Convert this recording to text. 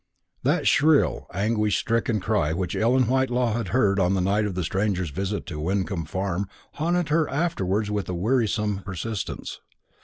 That shrill anguish stricken cry which Ellen Whitelaw had heard on the night of the stranger's visit to Wyncomb Farm haunted her afterwards with a wearisome persistence.